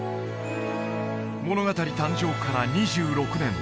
物語誕生から２６年